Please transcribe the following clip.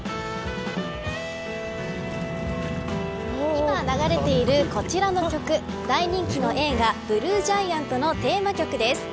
今流れているこちらの曲大人気の映画ＢＬＵＥＧＩＡＮＴのテーマ曲です。